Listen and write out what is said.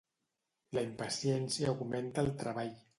La impaciència augmenta el treball.